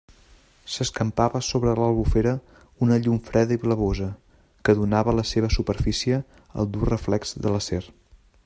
S'escampava sobre l'Albufera una llum freda i blavosa, que donava a la seua superfície el dur reflex de l'acer.